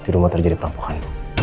di rumah terjadi perampokan